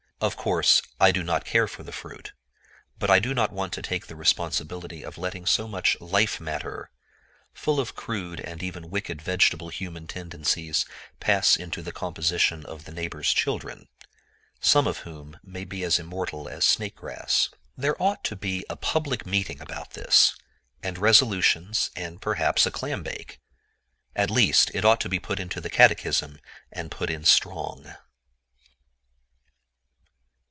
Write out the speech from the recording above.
Of course I do not care for the fruit; but I do not want to take the responsibility of letting so much "life matter," full of crude and even wicked vegetable human tendencies, pass into the composition of the neighbors' children, some of whom may be as immortal as snake grass. There ought to be a public meeting about this, and resolutions, and perhaps a clambake. At least, it ought to be put into the catechism, and put in strong.